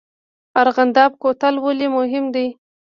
ارغنده کوتل ولې مهم دی؟